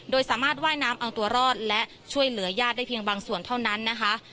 โดยสามารถว่ายน้ำเอาตัวรอดและช่วยเหลือญาติได้เพียงบางส่วนเท่านั้นนะคะ